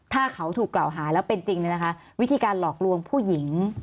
ถ้าเขาถูกกล่าวหาแล้วเป็นจริงวิธีการหลอกลวงผู้หญิง